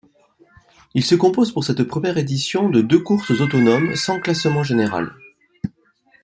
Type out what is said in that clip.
Il se compose pour cette première édition de deux courses autonomes, sans classement général.